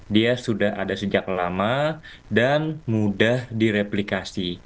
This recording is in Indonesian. dia sudah ada sejak lama dan mudah direplikasi